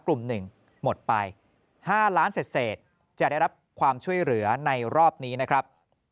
กลุ่ม๑หมดไป๕ล้านเศษจะได้รับความช่วยเหลือในรอบนี้นะครับ